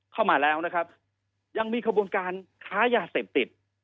เข้ามาแล้วนะครับยังมีขบวนการค้ายาเสพติด